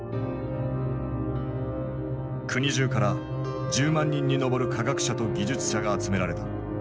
国じゅうから１０万人に上る科学者と技術者が集められた。